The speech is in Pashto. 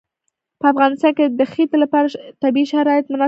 په افغانستان کې د ښتې لپاره طبیعي شرایط مناسب دي.